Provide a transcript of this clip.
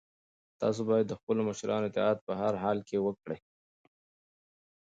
تاسو باید د خپلو مشرانو اطاعت په هر حال کې وکړئ.